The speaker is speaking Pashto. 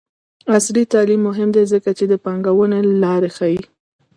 عصري تعلیم مهم دی ځکه چې د پانګونې لارې ښيي.